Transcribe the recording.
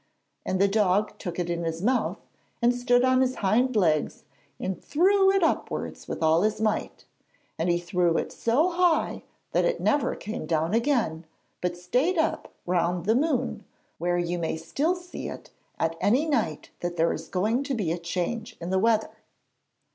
And the dog took it in his mouth, and stood on his hind legs and threw it upwards with all his might, and he threw it so high that it never came down again but stayed up round the moon, where you may still see it any night that there is going to be a change in the weather.